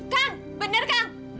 kang bener kang